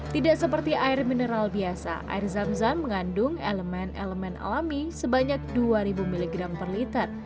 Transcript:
tidak seperti air mineral biasa air zam zam mengandung elemen elemen alami sebanyak dua ribu mg per liter